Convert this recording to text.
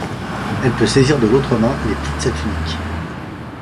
Elle peut saisir de l'autre main les plis de sa tunique.